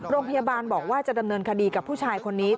โรงพยาบาลบอกว่าจะดำเนินคดีกับผู้ชายคนนี้